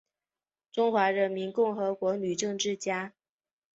中华人民共和国女政治家。